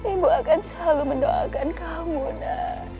ibu akan selalu mendoakan kamu na